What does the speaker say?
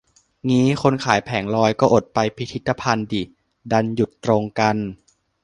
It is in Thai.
งี้คนขายแผงลอย ก็อดไปพิพิธภัณฑ์ดิ ดันหยุดตรงกัน